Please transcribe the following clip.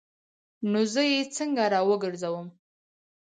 نو زه یې څنګه راوګرځوم؟